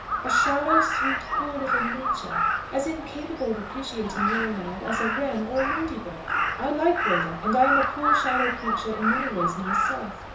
A shallow, sweet, poor little nature, as incapable of appreciating your love as a wren or a ladybird! I like Rhoda, and I am a poor, shallow creature in many ways myself.